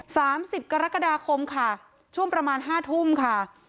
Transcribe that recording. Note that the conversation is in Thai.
สามสิบกรกฎาคมค่ะช่วงประมาณห้าทุ่มค่ะ